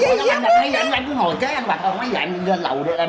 em kỳ quá à em chỉ cái trận bánh của bà vậy mà em làm